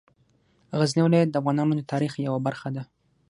غزني ولایت د افغانانو د تاریخ یوه برخه ده.